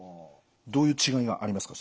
どういう違いがありますか？